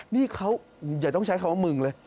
นี่เขาอย่าต้องใช้คำว่ามึงเลย